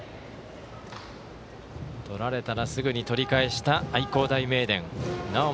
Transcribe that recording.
取られたらすぐに取り返した愛工大名電。